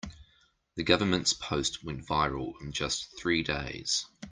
The government's post went viral in just three days.